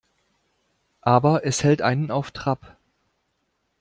Aber es hält einen auf Trab.